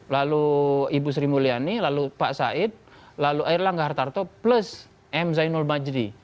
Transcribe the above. lalu ibu sri mulyani lalu pak said lalu air langga hartarto plus m zainul majri